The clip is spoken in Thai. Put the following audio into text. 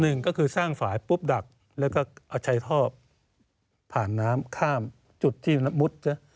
หนึ่งก็คือสร้างฝ่ายปุ๊บดักแล้วก็เอาใช้ท่อผ่านน้ำข้ามจุดที่มุดใช่ไหม